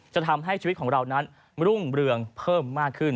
จะทำให้ชีวิตของเรานั้นรุ่งเรืองเพิ่มมากขึ้น